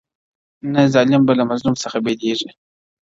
نه ظالم به له مظلوم څخه بېلېږي -